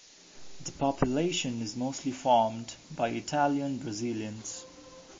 The population is mostly formed by Italian-Brazilians.